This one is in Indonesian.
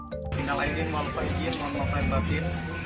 tinggal airin maafkan izin maafkan batin